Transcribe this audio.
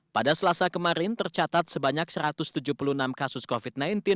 pada selasa kemarin tercatat sebanyak satu ratus tujuh puluh enam kasus covid sembilan belas